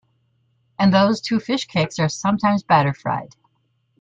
And those two fish cakes are sometimes batter-fried.